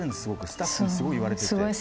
「スタッフにすごい言われてて」。